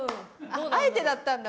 あえてだったんだ。